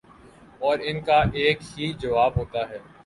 اور ان کا ایک ہی جواب ہوتا ہے